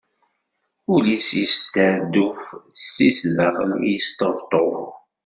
Ul-is yesderduf si sdaxel i d-yesṭebṭub.